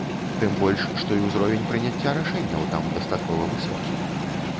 Тым больш, што і ўзровень прыняцця рашэнняў там дастаткова высокі.